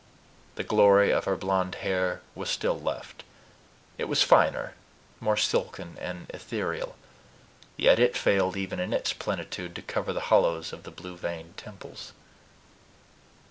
The glory of her blond hair was still left: it was finer, more silken and ethereal, yet it failed even in its plenitude to cover the hollows of the blue veined temples.